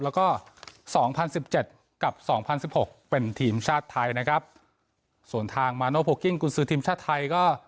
แล้วก็สองพันสิบเจ็ดกับสองพันสิบหกเป็นทีมชาติไทยนะครับส่วนทางมาโนโพลกิ้งกุญศือทีมชาติไทยก็